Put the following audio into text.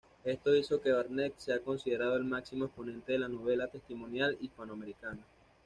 Esto hizo que Barnet sea considerado el máximo exponente de la novela testimonial hispanoamericana.